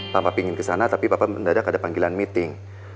tanpa pingin ke sana tapi bapak mendadak ada panggilan meeting